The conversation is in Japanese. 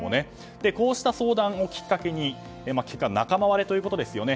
こうした相談をきっかけに仲間割れということですよね。